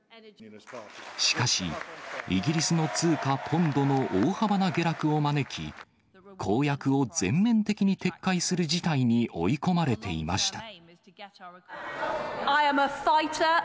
しかし、イギリスの通貨ポンドの大幅な下落を招き、公約を全面的に撤回する事態に追い込まれていました。